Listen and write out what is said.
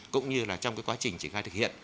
cũng như là trong cái quá trình triển khai thực hiện